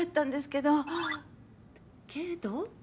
けど？